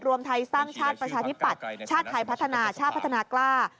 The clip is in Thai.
รวมไทยสร้างชาติประชาธิปัตย์ชาติไทยพัฒนาชาติพัฒนากล้า